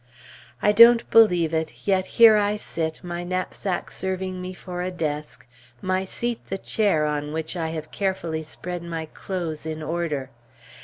I don't believe it, yet here I sit, my knapsack serving me for a desk, my seat the chair on which I have carefully spread my clothes in order.